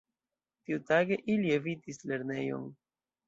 Tiutage ili evitis lernejon.